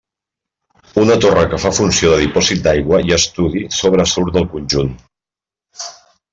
Una torre que fa funció de dipòsit d'aigua i estudi sobresurt del conjunt.